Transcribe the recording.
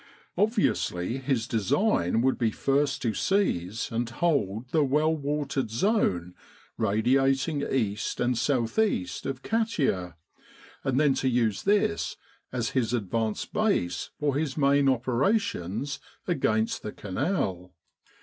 Obviously his design would be first to seize and hold the well watered zone radiating east and south east of Katia, and then to use this as his advanced base for his main operations against the Canal.